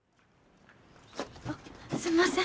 あっすんません。